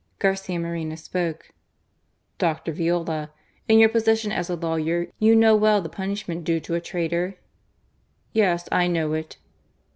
Garcia Moreno spoke : ••Dr. Viola, in your position as a lawyer, you knowr well the punishmient due to a traitor ?*^" Yes, I know it."